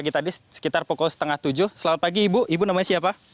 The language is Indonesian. pagi tadi sekitar pukul setengah tujuh selamat pagi ibu ibu namanya siapa